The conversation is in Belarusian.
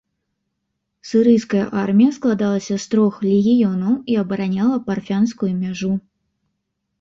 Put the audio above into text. Сірыйская армія складалася з трох легіёнаў і абараняла парфянскую мяжу.